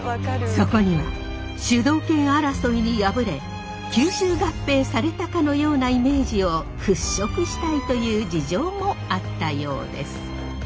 そこには主導権争いに敗れ吸収合併されたかのようなイメージを払拭したいという事情もあったようです。